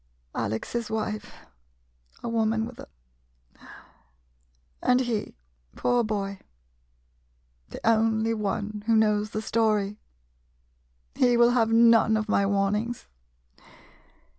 Alex's wife — a woman with a — And he, poor boy — the only one who knows the story — he will have none of my warnings.